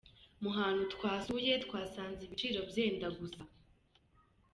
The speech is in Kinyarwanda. Mu hantu twasuye twasanze ibiciro byenda gusa.